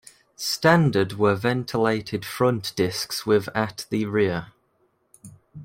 Standard were ventilated front discs with at the rear.